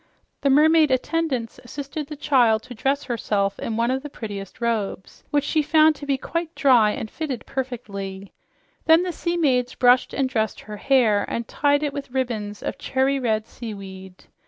The mermaid attendants assisted the child to dress herself in one of the prettiest robes, which she found to be quite dry and fitted her comfortably. Then the sea maids brushed and dressed her hair, and tied it with ribbons of cherry red seaweed.